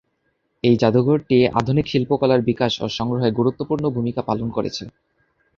এই জাদুঘরটি আধুনিক শিল্পকলার বিকাশ ও সংগ্রহে গুরুত্বপূর্ণ ভূমিকা পালন করেছে।